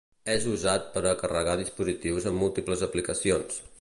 És usat per a carregar dispositius en múltiples aplicacions.